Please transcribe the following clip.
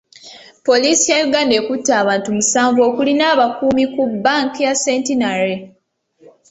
Poliisi ya Uganda ekutte abantu musanvu okuli n'abakuumi ku banka ya Centenary.